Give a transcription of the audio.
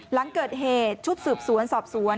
หลังเกิดเหตุชุดสืบสวนสอบสวน